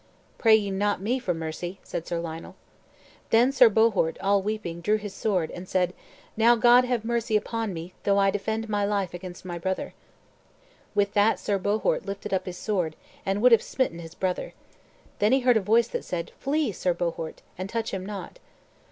"Pray ye not me for mercy," said Sir Lionel. Then Sir Bohort, all weeping, drew his sword, and said, "Now God have mercy upon me, though I defend my life against my brother." With that Sir Bohort lifted up his sword, and would have smitten his brother. Then he heard a voice that said, "Flee, Sir Bohort, and touch him not."